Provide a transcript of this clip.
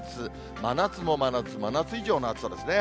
真夏も真夏、真夏以上の暑さですね。